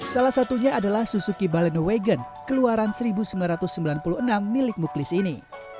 salah satunya adalah suzuki balenowagon keluaran seribu sembilan ratus sembilan puluh enam milik muklis ini